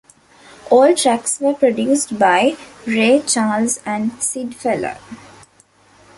All tracks were produced by Ray Charles and Sid Feller.